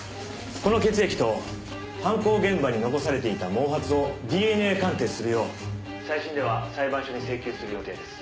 「この血液と犯行現場に残されていた毛髪をＤＮＡ鑑定するよう再審では裁判所に請求する予定です」